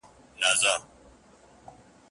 څنګ ته د پانوس چي دي له جام سره منلی یم